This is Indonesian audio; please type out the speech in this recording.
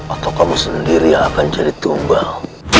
atau kamu sendiri yang akan jadi tunggal